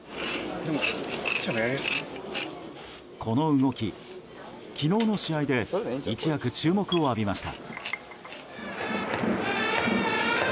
この動き、昨日の試合で一躍注目を浴びました。